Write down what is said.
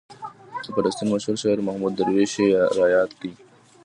د فلسطین مشهور شاعر محمود درویش یې رایاد کړ.